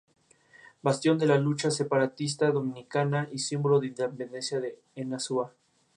Bastión de la lucha separatista dominicana y símbolo de la Independencia en Azua.